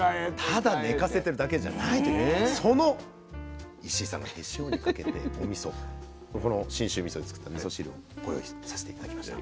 ただ寝かせてるだけじゃないというその石井さんが手塩にかけたおみそこの信州みそで作ったみそ汁をご用意させて頂きました。